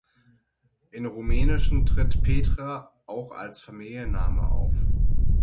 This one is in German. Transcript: Im Rumänischen tritt "Petre" auch als Familienname auf.